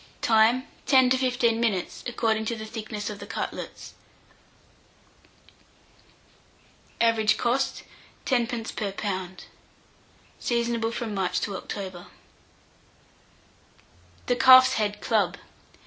Time. 10 to 15 minutes, according to the thickness of the cutlets. Average cost, 10d. per lb. Seasonable from March to October. THE CALF'S HEAD CLUB.